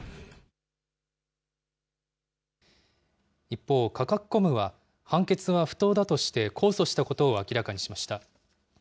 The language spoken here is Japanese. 一方、カカクコムは、判決は不当だとして控訴したことを明らかにしました。